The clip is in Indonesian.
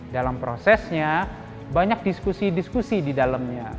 dalam prosesnya banyak diskusi diskusi di dalamnya